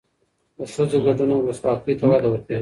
د ښځو ګډون ولسواکۍ ته وده ورکوي.